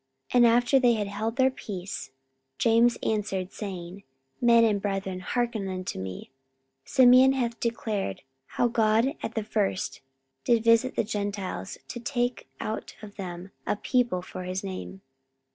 44:015:013 And after they had held their peace, James answered, saying, Men and brethren, hearken unto me: 44:015:014 Simeon hath declared how God at the first did visit the Gentiles, to take out of them a people for his name.